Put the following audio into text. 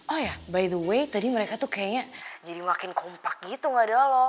oh ya by the way tadi mereka tuh kayaknya jadi makin kompak gitu mbak dolo